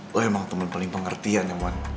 lo emang temen paling pengerti ya